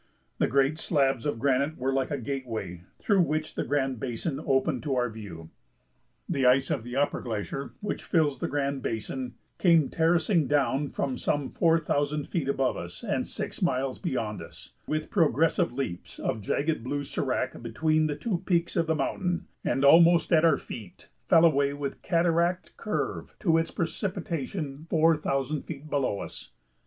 The great slabs of granite were like a gateway through which the Grand Basin opened to our view. The ice of the upper glacier, which fills the Grand Basin, came terracing down from some four thousand feet above us and six miles beyond us, with progressive leaps of jagged blue sérac between the two peaks of the mountain, and, almost at our feet, fell away with cataract curve to its precipitation four thousand feet below us.